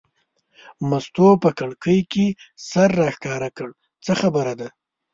مستو په کړکۍ کې سر راښکاره کړ: څه خبره ده.